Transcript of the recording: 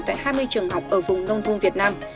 tại hai mươi trường học ở vùng nông thôn việt nam